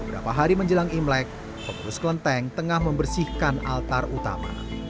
berapa hari menjelang imlek pengurus kelenteng tengah membersihkan altar utama